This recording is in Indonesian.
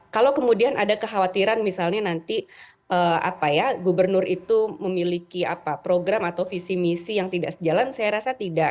kalau kemudian ada kekhawatiran misalnya nanti gubernur itu memiliki program atau visi misi yang tidak sejalan saya rasa tidak